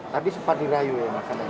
tadi sempat dirayu ya